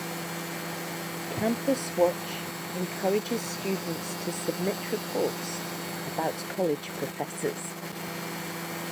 Campus Watch encourages students to submit reports about college professors.